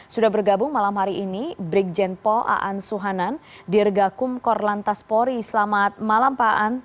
sudah bergabung malam hari ini brigjen paul aan suhanan dirgakum korlantas pori selamat malam pak an